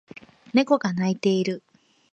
猫が鳴いている